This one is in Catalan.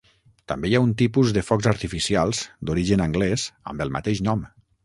També hi ha un tipus de focs artificials, d'origen anglès, amb el mateix nom.